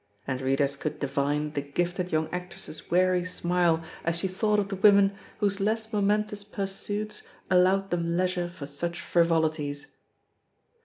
And readers could divine the gifted young actress's weary smile as she thought of the women whose less momentous pur suits allowed them leisure for such frivolities.